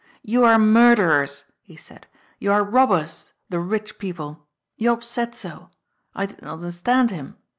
^' You are murderers," he said. " You are robbers, the rich people. Jops said so. I did not understand him.